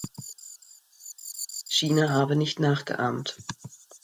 China habe nicht nachgeahmt.